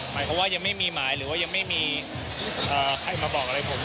หมายความว่ายังไม่มีหมายหรือว่ายังไม่มีใครมาบอกอะไรผม